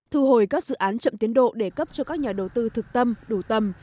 thu hồi các dự án chậm tiến độ để cấp cho các nhà đầu tư thực tâm đủ tầm